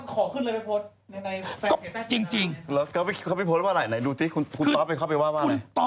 ก็ขอขึ้นเลยไปโพสต์